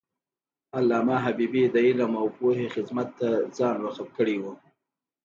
علامه حبیبي د علم او پوهې خدمت ته ځان وقف کړی و.